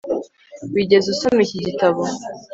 wigeze usoma iki gitabo